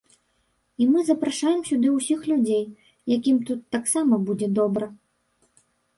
І мы запрашаем сюды ўсіх людзей, якім тут таксама будзе добра.